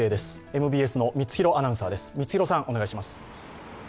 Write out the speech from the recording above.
ＭＢＳの三ツ廣アナウンサーです。